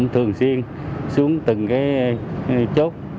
thường xuyên xuống từng chốt